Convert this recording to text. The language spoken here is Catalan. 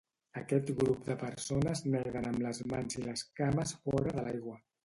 Aquest grup de persones neden amb les mans i les cames fora de l'aigua.